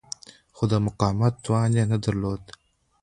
خو د مقاومت توان یې نه درلود.